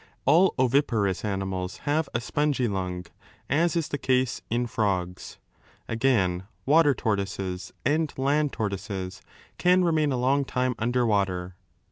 All oviparous animals have a spongy lung, as is the case in 3 frogs.^ Again, water tortoises and land tortoises can remain a long time under water.